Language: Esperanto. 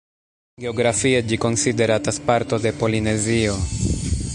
Geografie ĝi konsideratas parto de Polinezio.